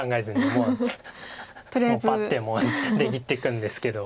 もうパッて出切っていくんですけど。